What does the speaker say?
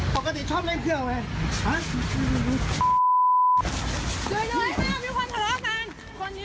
ปกติชอบเล่นเครื่องอะไร